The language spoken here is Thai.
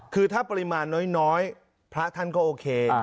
คือถ้าปริมาณน้อยพระท่านก็โอเค